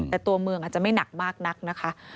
แต่ตัวเมืองอาจจะไม่หนักมากนักนะคะ